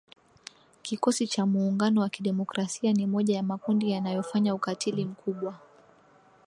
Kikosi cha Muungano wa Kidemokrasia ni moja ya makundi yanayofanya ukatili mkubwa.